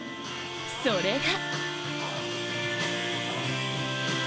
それが